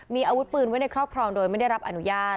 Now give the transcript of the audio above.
มีอาวุธปืนไว้ในครอบครองโดยไม่ได้รับอนุญาต